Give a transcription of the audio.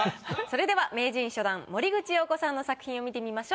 それでは名人初段森口瑤子さんの作品を見てみましょう。